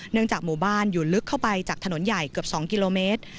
จากหมู่บ้านอยู่ลึกเข้าไปจากถนนใหญ่เกือบ๒กิโลเมตร